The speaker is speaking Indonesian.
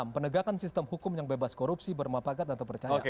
penegakan sistem hukum yang bebas korupsi bermapagat dan terpercaya